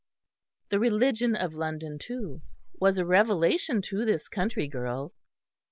The religion of London, too, was a revelation to this country girl.